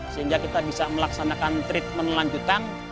sehingga kita bisa melaksanakan treatment lanjutan